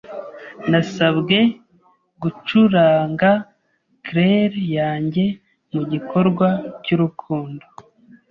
Nasabwe gucuranga claire yanjye mugikorwa cyurukundo.